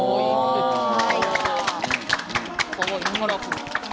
かわいいカラフル。